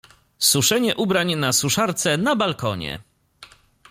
Suszenie ubrań na suszarce na balkonie.